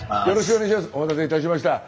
よろしくお願いします。